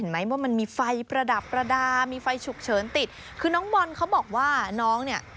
ไหมว่ามันมีไฟประดับประดามีไฟฉุกเฉินติดคือน้องบอลเขาบอกว่าน้องเนี่ย